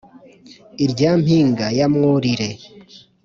Irya mpinga ya Mwurire